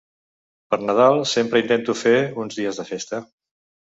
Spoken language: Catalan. Per Nadal sempre intento fer uns dies de festa.